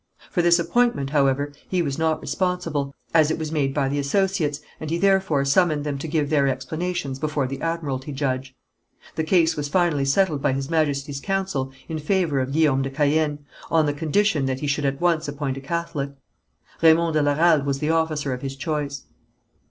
For this appointment, however, he was not responsible, as it was made by the associates, and he therefore summoned them to give their explanations before the admiralty judge. The case was finally settled by His Majesty's council in favour of Guillaume de Caën, on the condition that he should at once appoint a Catholic. Raymond de la Ralde was the officer of his choice.